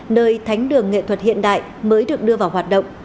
nơi thánh đường nghệ thuật hiện đại mới được đưa vào hoạt động